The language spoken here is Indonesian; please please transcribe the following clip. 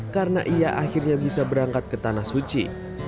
karena ia akhirnya bisa berangkat ke tanah suci